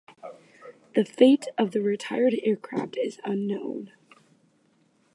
The fate of the retired aircraft is unknown.